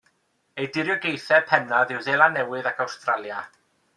Ei diriogaethau pennaf yw Seland Newydd ac Awstralia.